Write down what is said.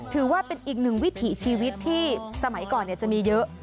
ถือว่าเป็นอีกหนึ่งวิถีชีวิตที่สมัยก่อนจะมีเยอะ